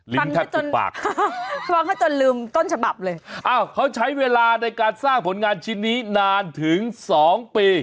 ฟังให้จนปากฟังให้จนลืมต้นฉบับเลยอ้าวเขาใช้เวลาในการสร้างผลงานชิ้นนี้นานถึงสองปี